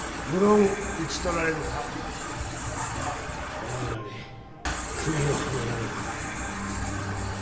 無論討ち取られるか捕らえられ首をはねられるか。